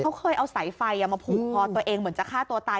เขาเคยเอาสายไฟมาผูกคอตัวเองเหมือนจะฆ่าตัวตาย